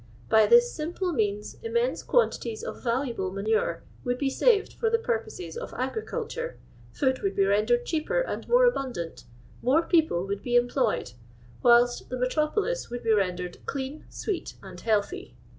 By this simple means immense quantities of valuable manure would be saved for the purposes of agriculture — food would be rendered cheaper and more abundant — more people would be em ployed— wliilst the metropolis would be rendered clean, sweet, and healthy."